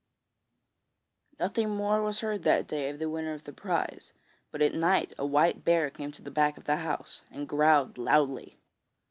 Nothing more was heard that day of the winner of the prize, but at night a white bear came to the back of the house, and growled loudly.